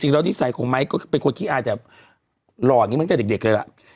จริงแล้วดีไซน์ของไมค์ก็เป็นคนที่อายแต่หล่ออย่างงี้มากจากเด็กเลยล่ะ